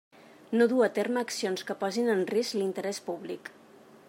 No dur a terme accions que posin en risc l'interès públic.